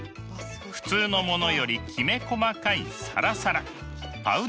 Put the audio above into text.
普通のものよりきめ細かいサラサラパウダー状です。